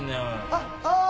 あっああ！